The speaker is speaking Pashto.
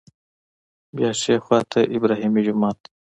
بیا ښي خوا ته ابراهیمي جومات دی.